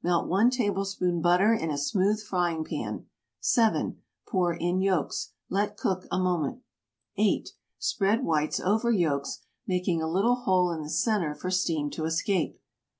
Melt 1 tablespoon butter in a smooth frying pan. 7. Pour in yolks. Let cook a moment. 8. Spread whites over yolks, making a little hole in the center for steam to escape.